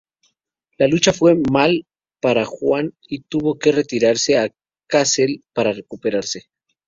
La lucha fue mal para Juan y tuvo que retirarse a Kassel para recuperarse.